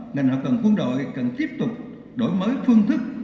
ngành hậu cần quân đội cần tiếp tục đổi mới phương thức